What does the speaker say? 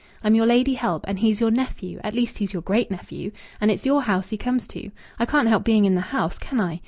I'm your lady help, and he's your nephew at least, he's your great nephew, and it's your house he comes to. I can't help being in the house, can I?